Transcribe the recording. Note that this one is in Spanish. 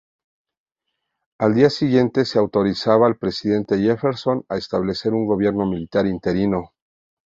Al día siguiente se autorizaba al presidente Jefferson a establecer un gobierno militar interino.